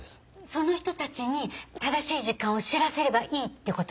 その人たちに正しい時間を知らせればいいってことよね？